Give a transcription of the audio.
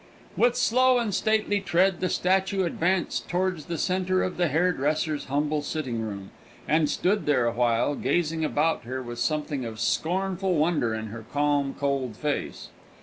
_ With slow and stately tread the statue advanced towards the centre of the hairdresser's humble sitting room, and stood there awhile, gazing about her with something of scornful wonder in her calm cold face.